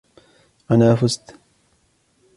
أنا فُزت!